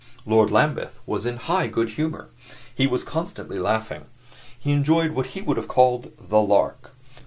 Lord Lambeth was in high good humor; he was constantly laughing; he enjoyed what he would have called the lark.